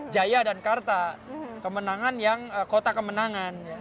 jaya dan karta kota kemenangan